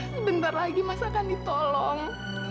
sebentar lagi masa akan ditolong